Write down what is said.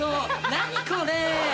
何これ。